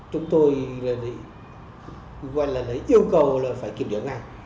chúng tôi là lấy yêu cầu là phải kiểm đoán ngay